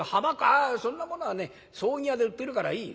「あそんなものはね葬儀屋で売ってるからいい」。